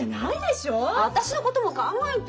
私のことも考えてよ。